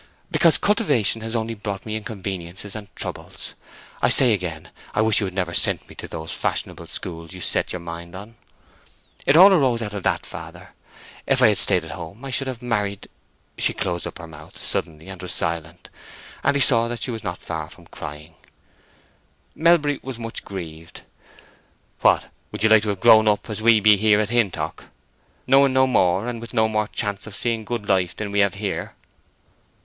"Because cultivation has only brought me inconveniences and troubles. I say again, I wish you had never sent me to those fashionable schools you set your mind on. It all arose out of that, father. If I had stayed at home I should have married—" She closed up her mouth suddenly and was silent; and he saw that she was not far from crying. Melbury was much grieved. "What, and would you like to have grown up as we be here in Hintock—knowing no more, and with no more chance of seeing good life than we have here?"